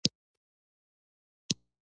د "ت" حرف په شعر کې کارول کیږي.